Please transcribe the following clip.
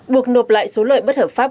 buộc nộp lại số lợi bất hợp pháp